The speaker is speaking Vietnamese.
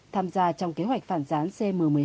tham gia trong kế hoạch phản gián cm một mươi hai